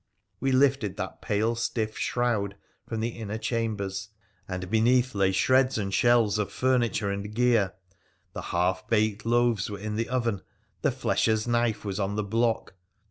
We lifted that pale, stiff shroud from the inner chambers, and PIIRA THE P1ICENICIAN 33? beneath lay shreds and shells of furniture and gear ; the half baked loaves were in the oven ; the nesher's knife was on tho block